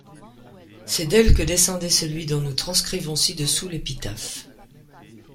C'est d'elle que descendait celui dont nous transcrivons ci-dessous l'épitaphe.